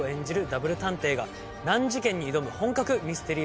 ダブル探偵が難事件に挑む本格ミステリードラマです。